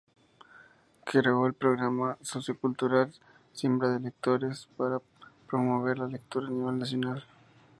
Creó el programa sociocultural Siembra de lectores para promover la lectura a nivel nacional.